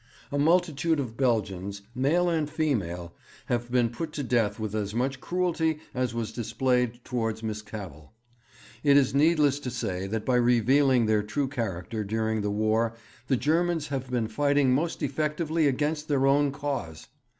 A multitude of Belgians, male and female, have been put to death with as much cruelty as was displayed towards Miss Cavell. It is needless to say that by revealing their true character during the War the Germans have been fighting most effectively against their own cause.